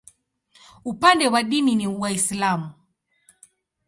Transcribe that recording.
Upande wa dini ni Waislamu.